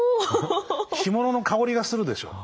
干物の香りがするでしょう。